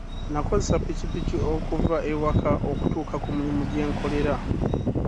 Nakozesa ppikipiki okuva ewaka okutuuka ku mulimu gye nkolera.